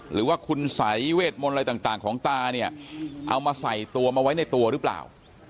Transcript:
หรือว่าคุณสัยเวทมนต์อะไรต่างของตาเนี่ยเอามาใส่ตัวมาไว้ในตัวหรือเปล่า